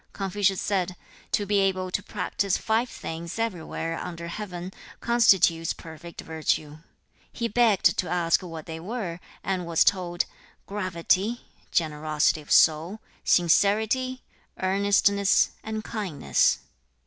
Confucius said, 'To be able to practise five things everywhere under heaven constitutes perfect virtue.' He begged to ask what they were, and was told, 'Gravity, generosity of soul, sincerity, earnestness, and kindness.